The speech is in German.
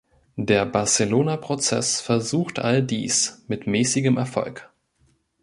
Der Barcelona-Prozess versucht all dies, mit mäßigem Erfolg.